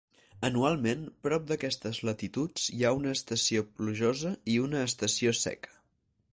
Anualment, prop d'aquestes latituds hi ha una estació plujosa i una estació seca.